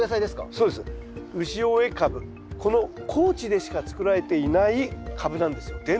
この高知でしか作られていないカブなんですよ。